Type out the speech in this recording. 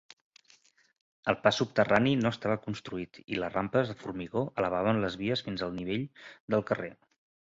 El pas subterrani no estava construït i les rampes de formigó elevaven les vies fins al nivell del carrer.